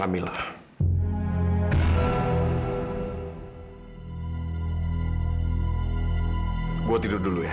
terima kasih banyak